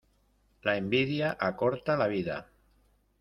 La envidia acorta la vida.